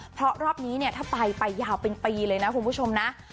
เพราะรอบนี้เนี่ยถ้าไปไปยาวเป็นปีเลยนะคุณผู้ชมนะ